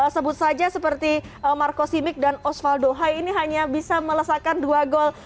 sebut saja seperti marco simic dan osvaldo hai ini hanya bisa melesatkan dua gol